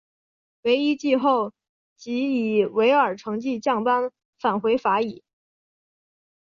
惟一季后即以尾二成绩降班返回法乙。